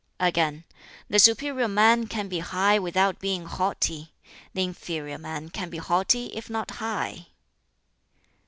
Again, "The superior man can be high without being haughty. The inferior man can be haughty if not high."